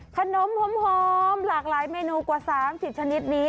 ขนมหอมหลากหลายเมนูกว่า๓๐ชนิดนี้